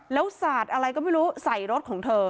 แล้วสาดอะไรก็ไม่รู้ใส่รถของเธอ